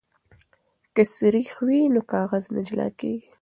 که سريښ وي نو کاغذ نه جلا کیږي.